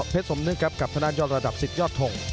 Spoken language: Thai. เพชรสมนึกครับกับทะดานยอดระดับสิทธิ์ยอดถง